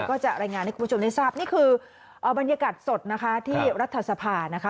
ก็จะรายงานให้คุณผู้ชมได้ทราบนี่คือบรรยากาศสดนะคะที่รัฐสภานะคะ